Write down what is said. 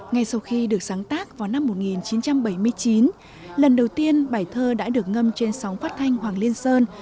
ngay sau khi được sáng tác vào năm một nghìn chín trăm bảy mươi chín lần đầu tiên bài thơ đã được ngâm trên sóng phát thanh hoàng liên sơn